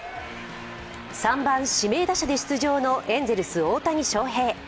３番、指名打者で出場のエンゼルス・大谷翔平。